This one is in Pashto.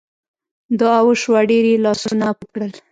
دعا وشوه ډېر یې لاسونه پورته کړل.